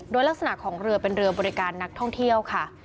โดยลักษณะของเรือเป็นเรือบริการนักท่องเที่ยวค่ะ